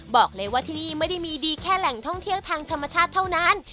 บอกเลยว่าที่นี่ไม่ได้มีดีแค่แหล่งท่องเที่ยวทางธรรมชาติเท่านั้น